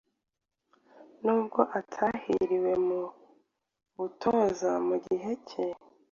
nubwo atahiriwe mu butoza Mu gihe cye